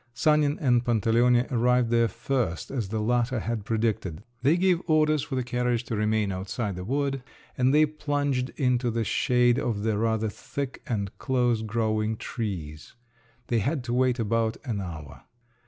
Sanin and Pantaleone arrived there first, as the latter had predicted; they gave orders for the carriage to remain outside the wood, and they plunged into the shade of the rather thick and close growing trees. They had to wait about an hour.